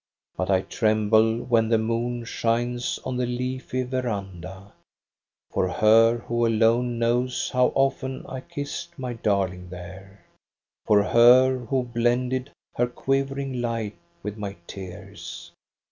But I tremble when the moon shines on the leafy veranda, For her who alone knows how often I kissed my darling there, For her who blended her quivering light with my tears.